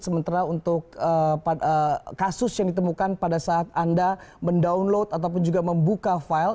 sementara untuk kasus yang ditemukan pada saat anda mendownload ataupun juga membuka file